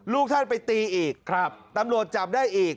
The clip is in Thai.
ลูกท่านไปตีอีกตำรวจจับได้อีก